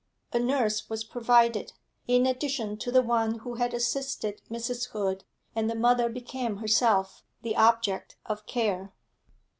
A nurse was provided, in addition to the one who had assisted Mrs. Hood, and the mother became herself the object of care.